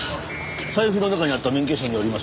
財布の中にあった免許証によりますとですね